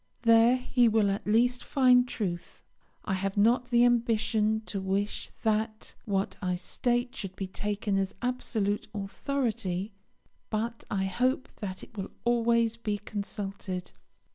There he will at least find truth. I have not the ambition to wish that what I state should be taken as absolute authority; but I hope that it will always be consulted.